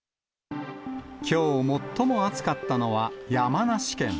きょう、最も暑かったのは山梨県。